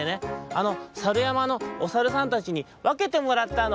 あのさるやまのおさるさんたちにわけてもらったの」。